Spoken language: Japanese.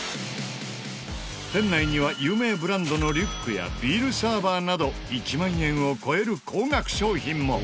店内には有名ブランドのリュックやビールサーバーなど１万円を超える高額商品も。